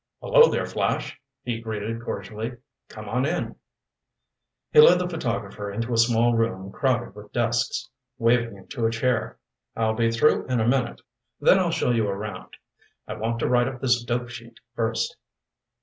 "Hello, there, Flash," he greeted cordially. "Come on in." He led the photographer into a small room crowded with desks, waving him to a chair. "I'll be through in a minute. Then I'll show you around. I want to write up this dope sheet first."